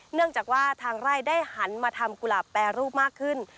เนื่องจากว่าทางไร่ได้หันมาทำกุหลาบแปรรูปมากขึ้น